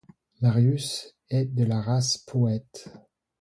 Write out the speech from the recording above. Marius est de la race poëte.